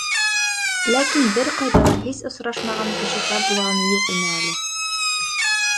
Ләкин бер ҡайҙа ла һис осрашмаған кеше тап булғаны юҡ ине әле.